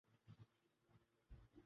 ایک فلم کی ناکامی